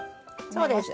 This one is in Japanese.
そうです。